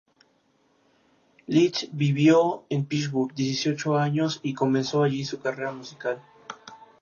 Leeds vivió en Pittsburgh dieciocho años y comenzó allí su carrera musical.